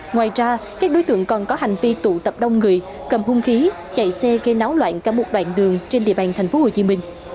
ngoài ra các đối tượng còn có hành vi tụ tập đông người cầm hung khí chạy xe gây náo loạn cả một đoạn đường trên địa bàn tp hcm